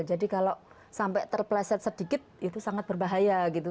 kalau sampai terpleset sedikit itu sangat berbahaya gitu